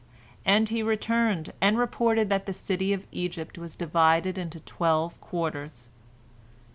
And he returned and reported that the city of Egypt was divided into twelve quarters.